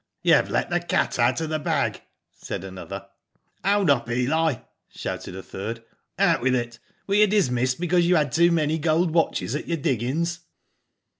" You've let the cat out of the bag," said another. *'Own up, Eli," shouted a third. "Out with it. Were you dismissed because you had too many gold watches at your diggings."